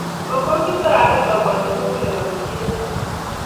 Makwa Kiptaiyandet agochi mugulel abunji inendet